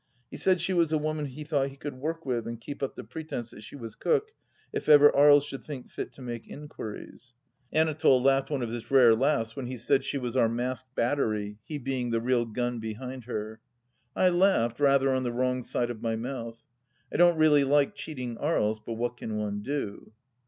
He said she was a woman he thought he could work with and keep up the pretence that she was cook, if ever Aries should think fit to make inquiries. Anatole laughed 88 THE LAST DITCH one of his rare laughs when he said she was our masked battery, he being the real gun behind her. I laughed, rather on the wrong side of my mouth. I don't really like cheating Aries, but what can one do